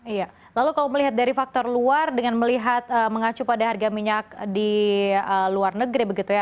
iya lalu kalau melihat dari faktor luar dengan melihat mengacu pada harga minyak di luar negeri begitu ya